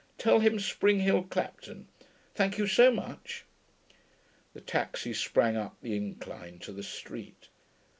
Tell him Spring Hill, Clapton. Thank you so much.' The taxi sprang up the incline to the street.